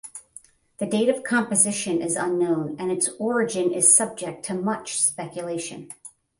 The date of composition is unknown and its origin is subject to much speculation.